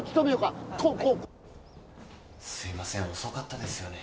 すいません遅かったですよね。